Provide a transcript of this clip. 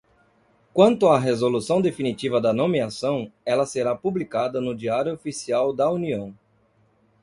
Quanto à resolução definitiva da nomeação, ela será publicada no Diário Oficial da União.